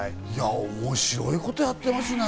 面白いことやってますね。